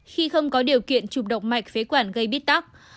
khi không có điều kiện chụp động mạch phế quản gây bít tắc